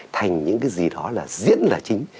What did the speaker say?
thành những cái gì đó là diễn là chính